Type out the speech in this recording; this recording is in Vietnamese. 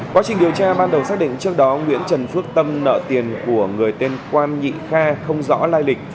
quá trình điều tra ban đầu xác định trước đó nguyễn trần phước tâm nợ tiền của người tên quan nhị kha không rõ lai lịch